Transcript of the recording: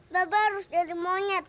bapak harus jadi monyet